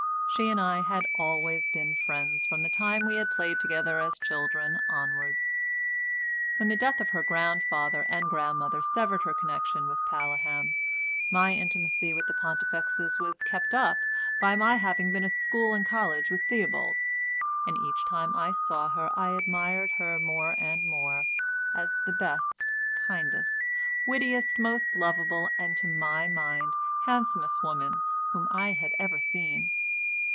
She and I had always been friends from the time we had played together as children onwards. When the death of her grandfather and grandmother severed her connection with Paleham my intimacy with the Pontifexes was kept up by my having been at school and college with Theobald, and each time I saw her I admired her more and more as the best, kindest, wittiest, most lovable, and, to my mind, handsomest woman whom I had ever seen.